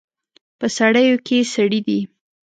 په سړیو کې سړي دي